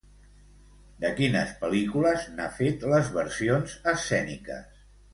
De quines pel·lícules n'ha fet les versions escèniques?